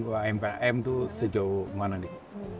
umkm itu sejauh mana nih